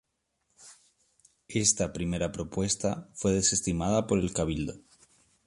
Esta primera propuesta fue desestimada por el Cabildo.